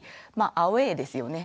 アウェイですよね。